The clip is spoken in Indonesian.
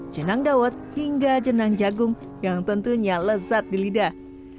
jenang dawet hingga jenang jagung yang tentunya lezat di lidah